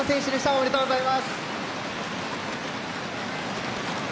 おめでとうございます。